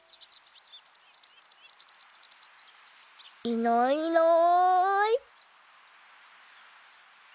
いないいない。